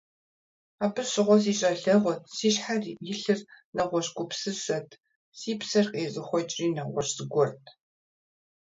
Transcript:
Абы щыгъуэ си щӀалэгъуэт, си щхьэм илъыр нэгъуэщӀ гупсысэт, си псэр къезыхуэкӀри нэгъуэщӀ зыгуэрт.